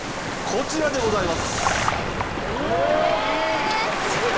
こちらでございますえっいい！